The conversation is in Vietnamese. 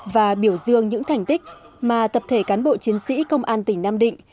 và biểu dương những thành tích mà tập thể cán bộ chiến sĩ công an tỉnh nam định